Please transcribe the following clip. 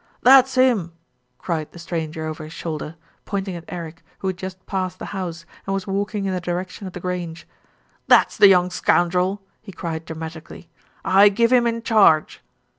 "That's him !" cried the stranger over his shoulder, pointing at Eric, who had just passed the house and was walking in the direction of The Grange. "That's the young scoundrel," he cried dramatically, "I give him in charge."